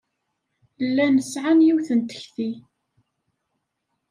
Llan sɛan yiwet n tekti.